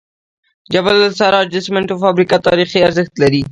د جبل السراج د سمنټو فابریکه تاریخي ارزښت لري.